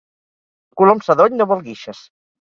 Colom sadoll no vol guixes.